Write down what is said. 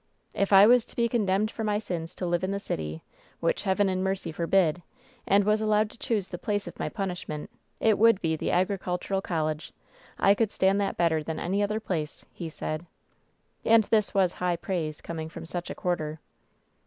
"If I was to be condemned for my sins to live in the city — ^which Heaven in mercy forbid — and was allowed to choose the place of my punishment, it would be the Agricultural College. I could stand that better than any other place," he said. And this wa^ high praise, coming from such a quar ter.